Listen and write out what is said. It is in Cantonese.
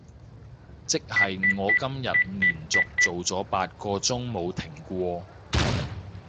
即係我今日連續做咗八個鐘冇停過